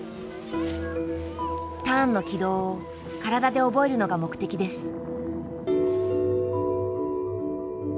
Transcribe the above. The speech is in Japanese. ターンの軌道を体で覚えるのが目的です。